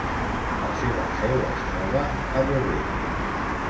La seva seu es troba a Beauvais.